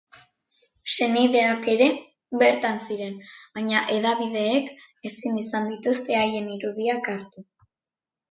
Senideak ere bertan ziren, baina hedabideek ezin izan dituzte haien irudiak hartu.